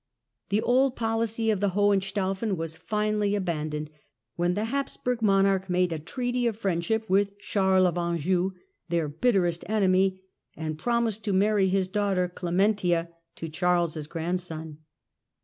The old policy of the Hohenstaufen was finally abandoned, when the Habsburg Monarch made a treaty of friendship with Charles of Anjou, their bitterest enemy, and promised to marry his daughter dementia to Charles' grandson.